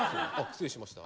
失礼しました。